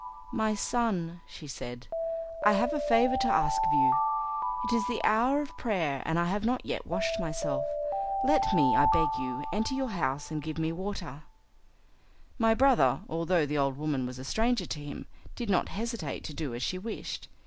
"My son," she said, "I have a favour to ask of you. It is the hour of prayer and I have not yet washed myself. Let me, I beg you, enter your house, and give me water." My brother, although the old woman was a stranger to him, did not hesitate to do as she wished.